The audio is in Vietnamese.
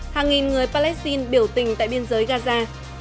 hàng nghìn người palestine biểu tình tại biên giới gaza